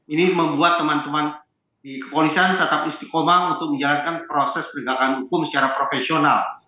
ini membuat teman teman di kepolisian tetap istiqomah untuk menjalankan proses penegakan hukum secara profesional